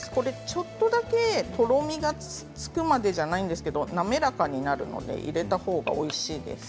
ちょっとだけ、とろみがつくまでじゃないんですけれど滑らかになるので入れたほうがおいしいです。